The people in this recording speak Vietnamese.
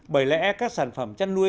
bởi lẽ các sản phẩm chăn nuôi